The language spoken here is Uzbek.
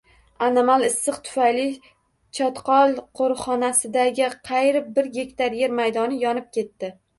Anomal issiq tufayli Chotqol qo‘riqxonasidagi qariybbirgektar yer maydoni yonib ketdi